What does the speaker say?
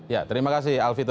ya terima kasih alfito